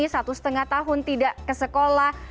satu setengah tahun tidak ke sekolah